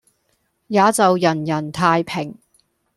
也就人人太平。